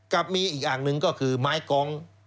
ก็มีอีกอังนึงก็คือไม้กอง